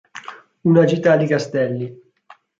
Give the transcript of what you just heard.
Una gita a li castelli".